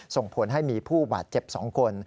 ส่งผลให้มีผู้บาดเจ็บ๒คน